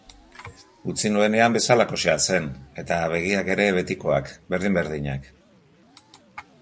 Utzi nuenean bezalakoxea zen, eta begiak ere betikoak, berdin-berdinak.